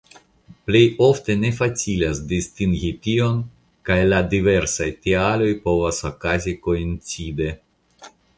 Plej ofte ne facilas distingi tion kaj la diversaj tialoj povas okazi koincide.